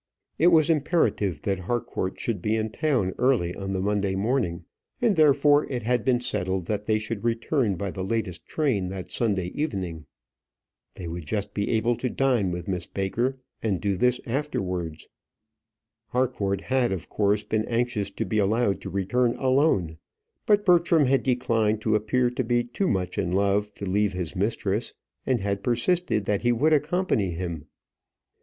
It was imperative that Harcourt should be in town early on the Monday morning, and therefore it had been settled that they should return by the latest train that Sunday evening. They would just be able to dine with Miss Baker, and do this afterwards. Harcourt had, of course, been anxious to be allowed to return alone; but Bertram had declined to appear to be too much in love to leave his mistress, and had persisted that he would accompany him.